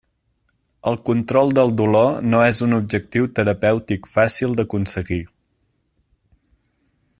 El control del dolor no és un objectiu terapèutic fàcil d'aconseguir.